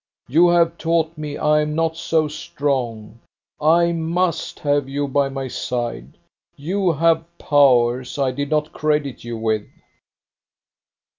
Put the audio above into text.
You have taught me I am not so strong. I must have you by my side. You have powers I did not credit you with."